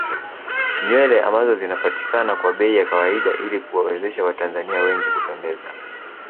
Nywele ambazo zinapatikama kwa bei ya kawaida ili kuwawezesha watanzania wengi kupendeza